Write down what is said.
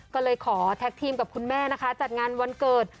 ก็เลยขอแท็กทีมกับคุณแม่นะคะจัดงานวันเกิด